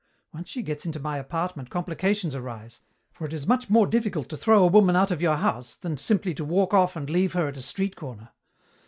Once she gets into my apartment complications arise, for it is much more difficult to throw a woman out of your house than simply to walk off and leave her at a street corner.